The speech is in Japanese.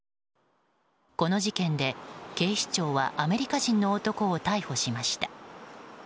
この事件で、警視庁はアメリカ人の男を逮捕しました。